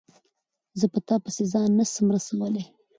زه په تا پسي ځان نه سم رسولای